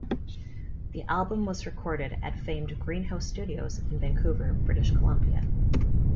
The album was recorded at famed Greenhouse Studios in Vancouver, British Columbia.